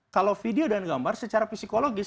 kalau video dan gambar secara psikologis